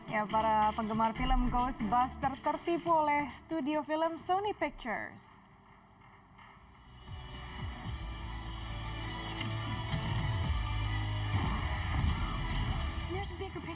ya para penggemar film coast buster tertipu oleh studio film sony pictures